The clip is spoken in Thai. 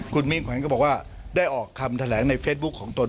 คุณมิ่งขวัญก็บอกว่าได้ออกคำแถลงในเฟซบุ๊คของตน